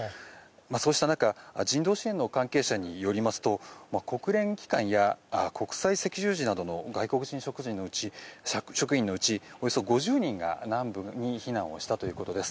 そうした中人道支援の関係者によりますと国連機関や国際赤十字などの外国人職員のうちおよそ５０人が南部に避難をしたということです。